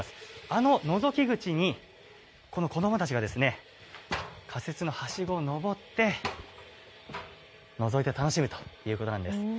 あののぞき口に、この子どもたちが仮設のはしごを上って、のぞいて楽しむということなんです。